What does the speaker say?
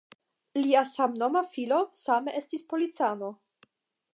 Lia samnoma filo same estis policano.